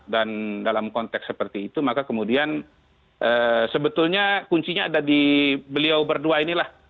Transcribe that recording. dalam konteks seperti itu maka kemudian sebetulnya kuncinya ada di beliau berdua inilah